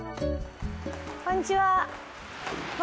こんにちは。